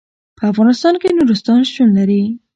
په افغانستان کې نورستان شتون لري.